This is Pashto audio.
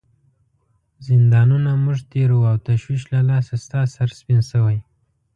زندانونه موږ تیروو او تشویش له لاسه ستا سر سپین شوی.